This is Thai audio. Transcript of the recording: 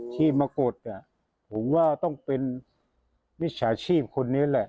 ที่มากดผมว่าต้องเป็นมิจฉาชีพคนนี้แหละ